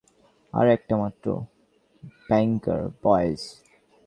আর একটা মাত্র bunker, boys!